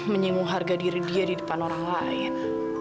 menyinggung harga diri dia di depan orang lain